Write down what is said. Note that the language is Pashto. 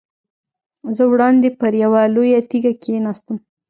زه وړاندې پر یوه لویه تیږه کېناستم.